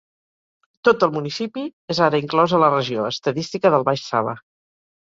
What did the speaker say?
Tot el municipi és ara inclòs a la regió estadística del Baix Sava.